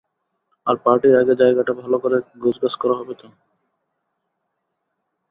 আর, পার্টির আগে জায়গাটা ভালো করে গোছগাছ করা হবে তো?